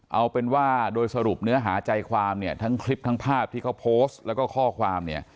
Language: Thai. เอาเป็นว่าโดยสรุปเนื้อหาใจความทั้งคลิปทั้งภาพที่ก็โพสต์และก็ข้อความ